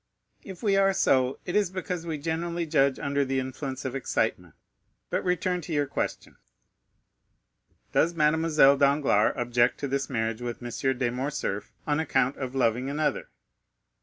"If we are so, it is because we generally judge under the influence of excitement. But return to your question." 30151m "Does Mademoiselle Danglars object to this marriage with M. de Morcerf on account of loving another?"